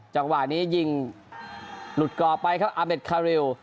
จังหวะนี้ยิงหลุดก่อไปครับอาเด็ดคาริว